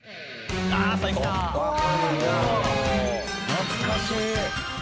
「懐かしい！」